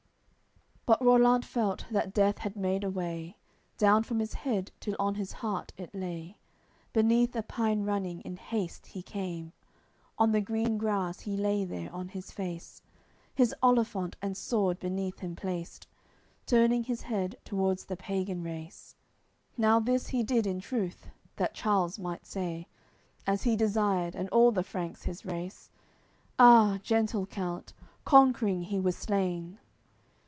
CLXXIV But Rollant felt that death had made a way Down from his head till on his heart it lay; Beneath a pine running in haste he came, On the green grass he lay there on his face; His olifant and sword beneath him placed, Turning his head towards the pagan race, Now this he did, in truth, that Charles might say (As he desired) and all the Franks his race; 'Ah, gentle count; conquering he was slain!'